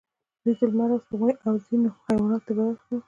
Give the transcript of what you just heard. دوی د لمر او سپوږمۍ او ځینو حیواناتو عبادت کاوه